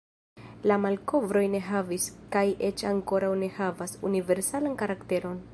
La malkovroj ne havis, kaj eĉ ankoraŭ ne havas, universalan karakteron.